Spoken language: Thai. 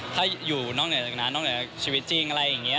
ถ้าอยู่นอกเหนือจากนั้นนอกเหนือชีวิตจริงอะไรอย่างนี้